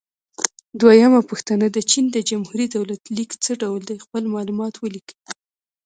دویمه پوښتنه: د چین د جمهوري دولت لیک څه ډول دی؟ خپل معلومات ولیکئ.